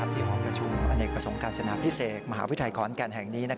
ที่หอคชูอเอนกสงการจนาพิเศษมหาวิทยากรแก่นแห่งนี้